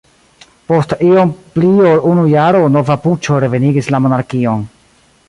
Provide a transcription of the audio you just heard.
Post iom pli ol unu jaro nova puĉo revenigis la monarkion.